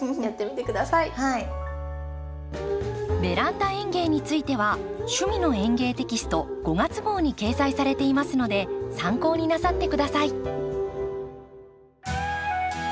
「ベランダ園芸」については「趣味の園芸」テキスト５月号に掲載されていますので参考になさって下さい。